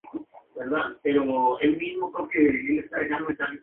Algunos autores la consideran un sinónimo de "Agave mitis var.